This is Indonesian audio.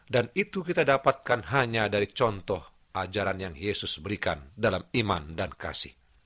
dan itu kita dapatkan hanya dari contoh ajaran yang yesus berikan dalam iman dan kasih